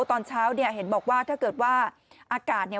ตอนเช้าเนี่ยเห็นบอกว่าถ้าเกิดว่าอากาศเนี่ย